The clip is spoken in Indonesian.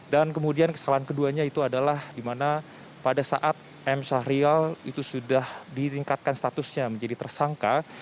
dan kemudian kesalahan keduanya itu adalah di mana pada saat m sahrial itu sudah ditingkatkan statusnya menjadi tersangka